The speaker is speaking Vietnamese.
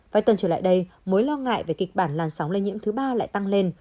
vài tuần trở lại đây mối lo ngại về kịch bản làn sóng lây nhiễm thứ ba lại tăng lên